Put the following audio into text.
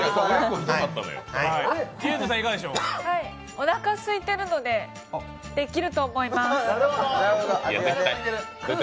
おなかすいているのでできると思います。